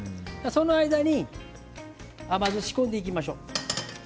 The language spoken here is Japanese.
その間に甘酢を仕込んでいきましょう。